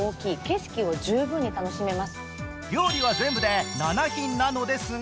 料理は全部で７品なのですが